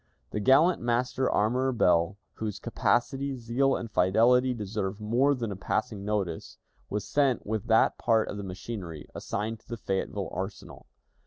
The gallant Master Armorer Ball, whose capacity, zeal, and fidelity deserve more than a passing notice, was sent with that part of the machinery assigned to the Fayetteville Arsenal.